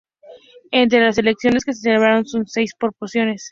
Entre las elecciones que se celebrarán son seis proporciones.